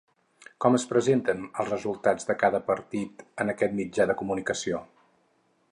Com es presenten els resultats de cada partit en aquest mitjà de comunicació?